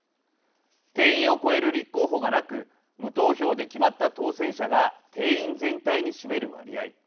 定員を超える立候補がなく無投票で決まった当選者が定員全体に占める割合